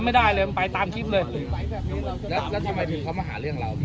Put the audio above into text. ไม้เบ็ดบอลกับเหล็ก